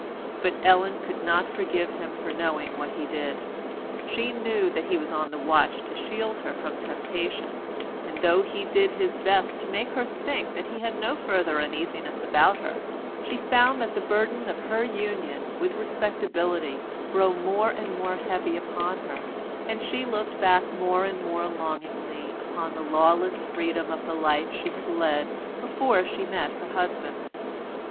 But Ellen could not forgive him for knowing what he did. She knew that he was on the watch to shield her from temptation, and though he did his best to make her think that he had no further uneasiness about her, she found the burden of her union with respectability grow more and more heavy upon her, and looked back more and more longingly upon the lawless freedom of the life she had led before she met her husband.